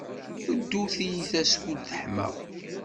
Ddu tiyita skud teḥma.